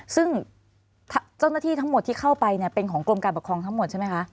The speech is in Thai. ซึ่งเจ้าหน้าที่ทั้งหมดที่เข้าไปเป็นของกรมการปกครองทั้งหมดใช่ไหมคะ